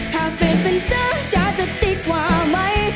ถ้าเปลี่ยนเป็นจ๊ะจ๊ะจะดีกว่าไหม